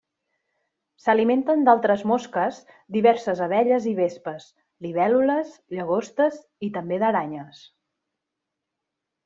S'alimenten d'altres mosques, diverses abelles i vespes, libèl·lules, llagostes i també d'aranyes.